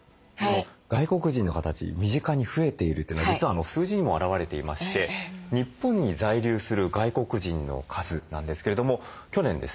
外国人の方たち身近に増えているというのは実は数字にも表れていまして日本に在留する外国人の数なんですけれども去年ですね